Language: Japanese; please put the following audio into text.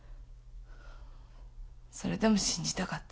それでも信じたかった。